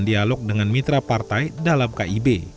dialog dengan mitra partai dalam kib